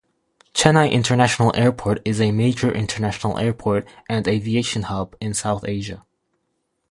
Chennai International Airport is a major international airport and aviation hub in South Asia.